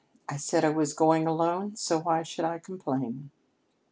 I said I was going alone so why should I complain?"